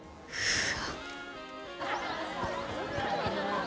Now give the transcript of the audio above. うわ！